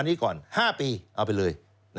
อันนี้ก่อน๕ปีเอาไปเลย